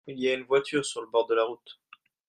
il y a une voiture sur le bord de la route.